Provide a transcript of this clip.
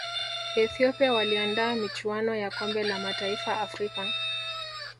ethiopia waliandaa michuano ya kombe la mataifa afrika